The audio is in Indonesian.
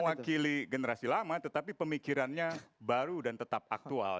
mewakili generasi lama tetapi pemikirannya baru dan tetap aktual